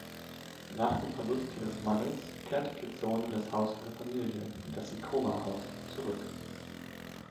Nach dem Verlust ihres Mannes kehrte Kitsuno in das Haus ihrer Familie, das Ikoma-Haus, zurück.